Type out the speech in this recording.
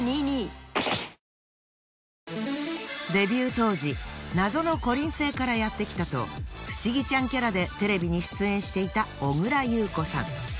当時謎のこりん星からやってきたと不思議ちゃんキャラでテレビに出演していた小倉優子さん。